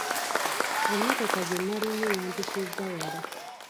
Emmotoka gye nnalinye yampisizza wala.